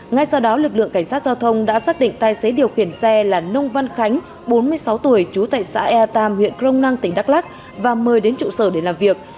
ngay sau đó lực lượng cảnh sát giao thông đã xác định tài xế điều khiển xe là nông văn khánh bốn mươi sáu tuổi trú tại xã e tam huyện crong năng tỉnh đắk lắc và mời đến trụ sở để làm việc